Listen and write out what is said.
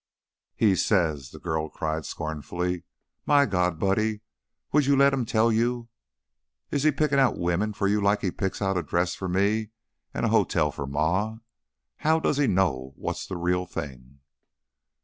"'He says'!" the girl cried, scornfully. "My God, Buddy! Would you let him tell you ? Is he pickin' out women for you like he picks out a dress for me and a hotel for Ma? How does he know what's the real thing?"